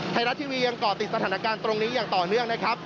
ไทยรัฐทีวียังเกาะติดสถานการณ์ตรงนี้อย่างต่อเนื่องนะครับ